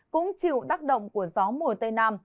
cũng chịu đắc động của gió mùa tây nam